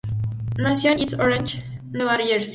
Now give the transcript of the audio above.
Nació en East Orange, Nueva Jersey.